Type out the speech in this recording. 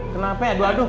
kenapa aduh aduh